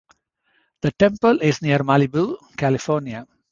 The temple is near Malibu, California.